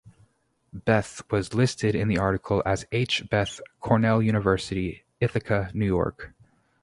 Bethe was listed in the article as H. Bethe, Cornell University, Ithaca, New York.